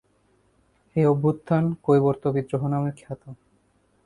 এই অভ্যুত্থান কৈবর্ত বিদ্রোহ নামে খ্যাত।